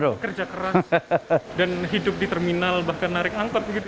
bekerja keras dan hidup di terminal bahkan narik angkot begitu